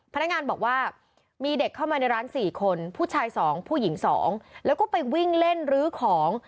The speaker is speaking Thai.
พนักงานบอกว่ามีเด็กเข้ามาในร้าน๔คนผู้ชาย๒ผู้หญิง๒แล้วก็ไปวิ่งเล่นลื้อของ